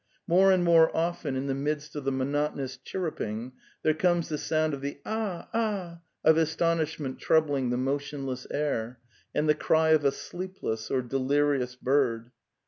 More and more often in the midst of the monotonous chirruping there comes the sound of the " A ah, a ah!"' of astonishment troubling the motionless air, and the cry of a sleepless or delirious bird.